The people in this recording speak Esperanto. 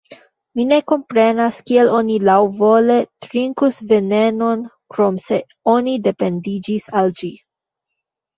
Mi ne komprenas kiel oni laŭvole trinkus venenon, krom se oni dependiĝis al ĝi.